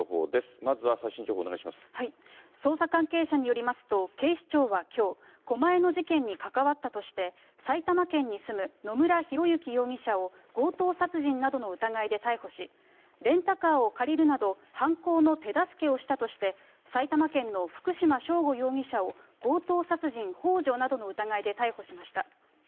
まずは最新情報捜査関係者によりますと、警視庁はきょう、狛江の事件に関わったとして、埼玉県に住む野村広之容疑者を強盗殺人などの疑いで逮捕し、レンタカーを借りるなど、犯行の手助けをしたとして、埼玉県の福島聖悟容疑者を強盗殺人ほう助などの疑いで逮捕しました。